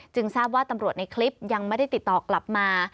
ทราบว่าตำรวจในคลิปยังไม่ได้ติดต่อกลับมา